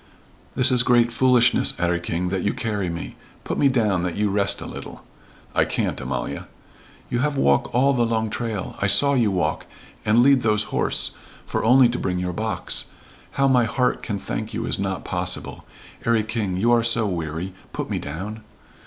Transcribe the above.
"This is great foolishness, 'Arry King, that you carry me. Put me down that you rest a little." "I can't, Amalia." "You have walk all the long trail I saw you walk and lead those horse, for only to bring our box. How my heart can thank you is not possible. 'Arry King, you are so weary put me down."